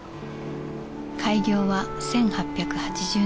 開業は１８８０年。